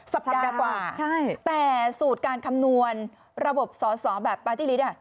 สัปดาห์กว่าแต่สูตรการคำนวณระบบสอสอแบบปาร์ตี้ลิต